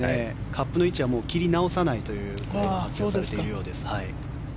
カップの位置は切り直さないということのようです。